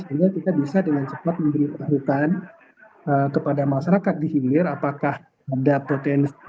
sehingga kita bisa dengan cepat memberitahuan kepada masyarakat di hilir apakah ada potensi